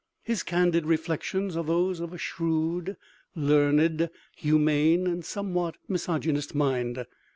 His candid reflections are those of a shrewd, learned, humane and somewhat misogynist mind.